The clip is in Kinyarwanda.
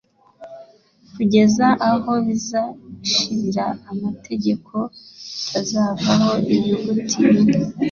kugeza aho bizashirira amategeko atazavaho inyuguti imwe